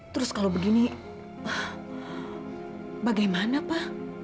terus kalau begini bagaimana pa